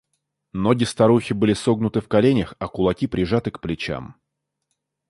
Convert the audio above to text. Ноги старухи были согнуты в коленях, а кулаки прижаты к плечам.